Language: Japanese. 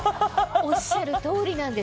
おっしゃる通りなんです。